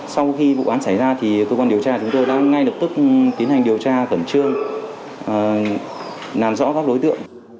sau khi vụ án xảy ra thì cơ quan điều tra chúng tôi đã ngay lập tức tiến hành điều tra khẩn trương làm rõ các đối tượng